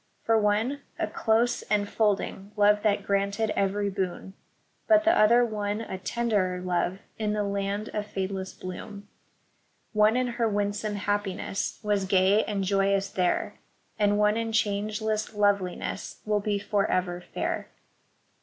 For one a close, enfolding love that granted every boon ; But the other won a tenderer love in the land of fade less bloom; One in her winsome happiness was gay and joyous there, And one in changeless loveliness will be forever fair.